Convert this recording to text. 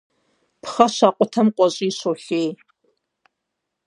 Пхъэ щакъутэм къуэщӀий щолъей.